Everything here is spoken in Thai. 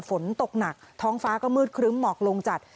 ฝนตกหนักท้องฟ้าก็มืดครึ้มหมอกลงจัด